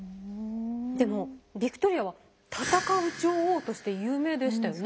でもヴィクトリアは戦う女王として有名でしたよね？